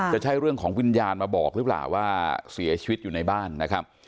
จะใช่เรื่องของวิญญาณมาบอกหรือเปล่าว่าเสียชีวิตอยู่ในบ้านนะครับ